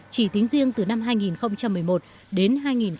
chỉ tính riêng từ năm hai nghìn một mươi một đến hai nghìn một mươi tám